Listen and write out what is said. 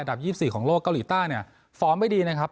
อันดับ๒๔ของโลกเกาหลีต้ายฟอร์มไม่ดีนะครับ